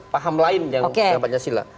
paham lain yang pancasila